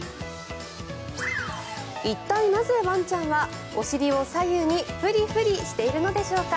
一体、なぜワンちゃんはお尻を左右にフリフリしているのでしょうか。